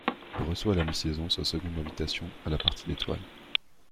Il reçoit à la mi-saison sa seconde invitation à la partie d'étoiles.